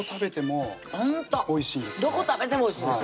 どこ食べてもおいしいんです